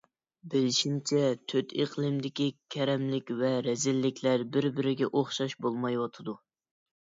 بىلىشىمچە، تۆت ئىقلىمدىكى كەرەملىك ۋە رەزىللىكلەر بىر - بىرىگە ئوخشاش بولمايۋاتىدۇ.